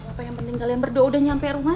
apa yang penting kalian berdua udah nyampe rumah